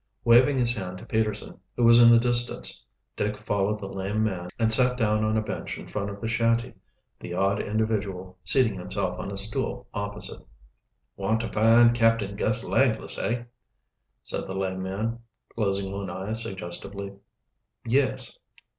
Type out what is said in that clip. Waving his hand to Peterson, who was in the distance, Dick followed the lame man and sat down on a bench in front of the shanty, the odd individual seating himself on a stool opposite. "Want to find Captain Gus Langless, eh?" said the lame man, closing one eye suggestively. "Yes."